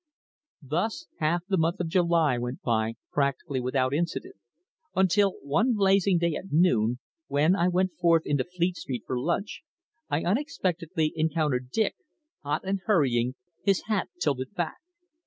Thus half the month of July went by practically without incident, until one blazing day at noon, when, I went forth into Fleet Street for lunch, I unexpectedly encountered Dick, hot and hurrying, his hat tilted back.